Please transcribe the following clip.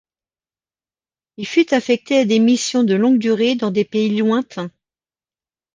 Il fut affecté à des missions de longues durées dans des pays lointains.